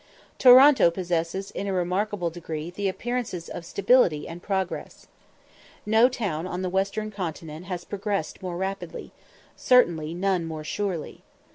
Toronto possesses in a remarkable degree the appearances of stability and progress. No town on the Western Continent has progressed more rapidly; certainly none more surely.